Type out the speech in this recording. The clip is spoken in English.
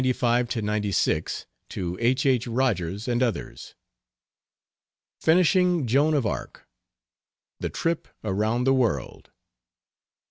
XXXV. LETTERS, 1895 96, TO H. H. ROGERS AND OTHERS. FINISHING "JOAN OF ARC." THE TRIP AROUND THE WORLD.